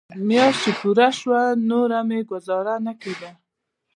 مياشت چې پوره سوه نور مې گوزاره نه کېده.